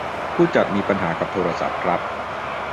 ผู้จัดมีปัญหากับโทรศัพท์ครับ